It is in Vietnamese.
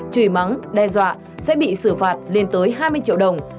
chừy mắng đe dọa sẽ bị xử phạt lên tới hai mươi triệu đồng